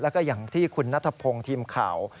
แล้วก็อย่างที่คุณนัทพงศ์ทีมข่าว